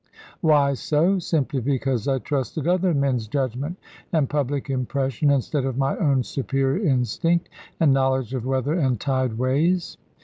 Why so? Simply because I trusted other men's judgment, and public impression, instead of my own superior instinct, and knowledge of weather and tideways.